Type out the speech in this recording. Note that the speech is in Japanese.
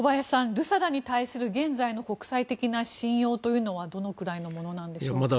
ＲＵＳＡＤＡに対する現在の国際的な信用というのはどのくらいなものなんでしょう。